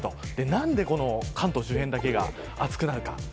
なんでこんな関東周辺だけが暑くなるか。